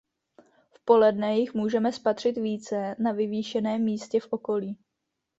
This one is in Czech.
V poledne jich můžeme spatřit více na vyvýšeném místě v okolí.